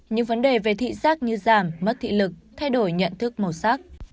những vấn đề về thị giác như giảm mất thị lực thay đổi nhận thức màu sắc